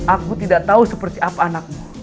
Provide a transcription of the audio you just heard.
aku tidak tahu seperti apa anakmu